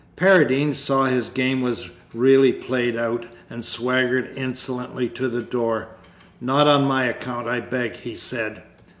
Paradine saw his game was really played out, and swaggered insolently to the door: "Not on my account, I beg," he said.